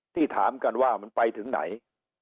ถามกันว่ามันไปถึงไหน